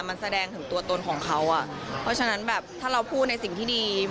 มันแสดงถึงตัวตนของเขาอ่ะเพราะฉะนั้นแบบถ้าเราพูดในสิ่งที่ดี